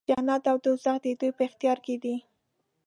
جنت او دوږخ د دوی په اختیار کې دی.